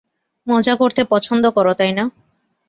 মজা করতে পছন্দ করো, তাই না?